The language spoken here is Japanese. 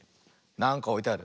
なんかおいてある。